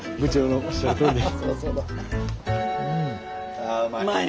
あうまい。